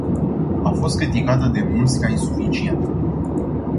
A fost criticată de mulți ca insuficientă.